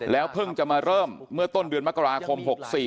เพิ่งจะมาเริ่มเมื่อต้นเดือนมกราคม๖๔